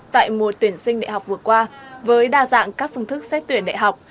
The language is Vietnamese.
tại mùa tuyển sinh đại học vừa qua với đa dạng các phương thức xét tuyển đại học